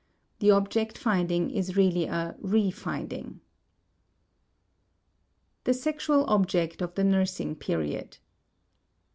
The object finding is really a re finding. *The Sexual Object of the Nursing Period.